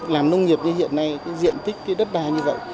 làm nông nghiệp như hiện nay diện tích đất bà như vậy